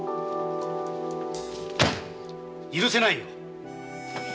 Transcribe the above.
許せないよ！